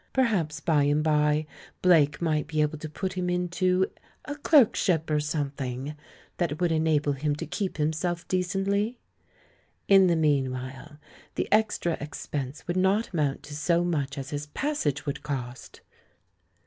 Perhaps by and by Blake might be able to put him into "a clerkship or something" that would enable him to keep himself decently? In the meanwhile, the extra expense would not amount to so much as his pas sage would cost